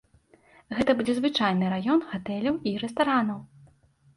Гэта будзе звычайны раён гатэляў і рэстаранаў.